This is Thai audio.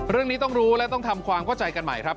เรื่องนี้ต้องรู้และต้องทำความเข้าใจกันใหม่ครับ